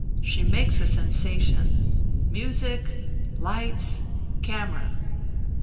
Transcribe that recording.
she makes a sensation. Music, lights, camera!"